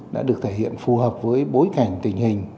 đã được thể hiện phù hợp với bối cảnh tình hình